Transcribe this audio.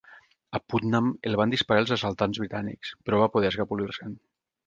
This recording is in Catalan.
A Putnam el van disparar els assaltants britànics, però va poder escapolir-se'n.